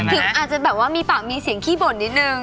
อาจจะแบบว่ามีปากมีเสียงขี้บ่นนิดนึง